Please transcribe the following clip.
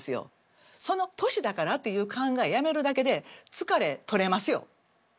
その「年だから」っていう考えやめるだけで疲れ取れますよ。